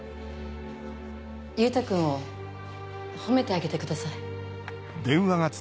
優太君を褒めてあげてください。